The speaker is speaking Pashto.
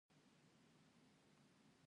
ددوي د اصل نوم، قبيلې او اصلي ټاټوبې باره کښې